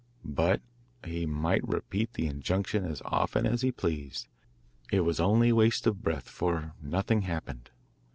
But he might repeat the injunction as often as he pleased, it was only waste of breath, for nothing happened.